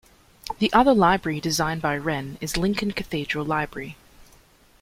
The other library designed by Wren is Lincoln Cathedral Library.